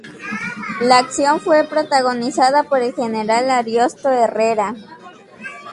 La acción fue protagonizada por el General Ariosto Herrera.